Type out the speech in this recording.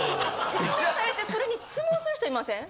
説明されてそれに質問する人いません？